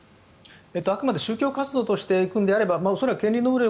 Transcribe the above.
あくまで宗教活動としていくんであれば権利能力